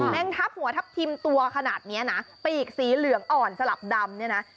งทับหัวทับทิมตัวขนาดนี้นะปีกสีเหลืองอ่อนสลับดำเนี่ยนะ